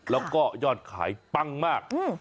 แล้วก็ยอดขายปั้งมาก